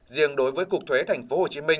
riêng đối với cục thuế tp hcm